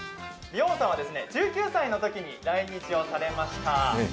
ビョーンさんは１９歳のときに来日されました。